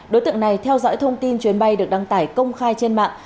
đối tượng này theo dõi thông tin chuyến bay được đăng tải công khai trên mạng